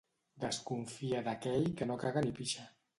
Desconfia d'aquell que no caga ni pixa.